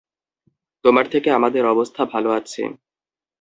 তোমার থেকে আমাদের অবস্থা ভালো আছে।